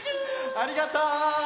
ありがとう！